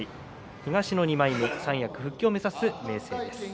東の２枚目、三役復帰を目指す明生です。